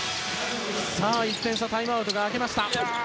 １点差でタイムアウトが明けました。